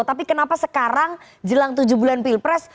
tapi kenapa sekarang jelang tujuh bulan pilpres